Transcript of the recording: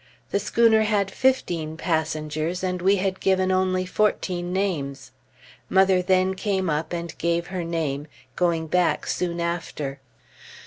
The schooner had fifteen passengers, and we had given only fourteen names. Mother then came up and gave her name, going back soon after.